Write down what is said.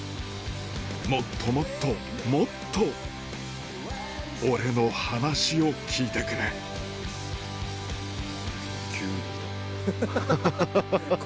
もっともっともっと俺の噺を聴いてくれ急にきたハハハハ。